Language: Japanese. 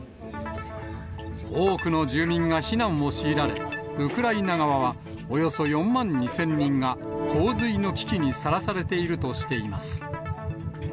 多くの住民が避難を強いられ、ウクライナ側は、およそ４万２０００人が洪水の危機にさらされているとしています。